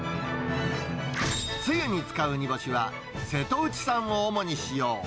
つゆに使う煮干しは、瀬戸内産を主に使用。